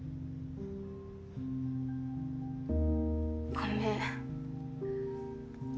ごめん。